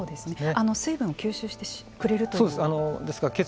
水分を吸収してくれるという。